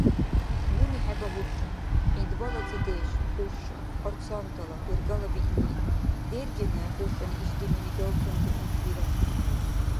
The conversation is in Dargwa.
Нуни хӀебагьурра: гӀинтӀбала цӀедеш – хӀуша, арцантала, бергала биъни. Дергеная хӀушани ишди нуни далцӀунти гӀинтӀбира.